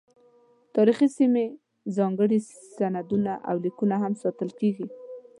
تاریخي سیمې، ځانګړي سندونه او لیکونه هم ساتل کیږي.